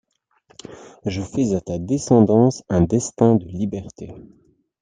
Je fais à ta descendance un destin de liberté!